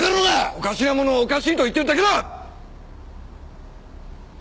おかしなものをおかしいと言ってるだけだ！